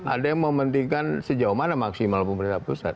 ada yang mementingkan sejauh mana maksimal bumn